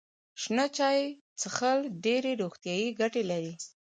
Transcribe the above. شنه چای څښل ډیرې روغتیايي ګټې لري.